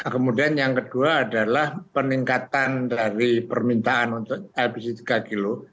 kemudian yang kedua adalah peningkatan dari permintaan untuk lpg tiga kg